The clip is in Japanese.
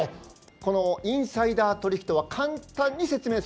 このインサイダー取引とは簡単に説明すると？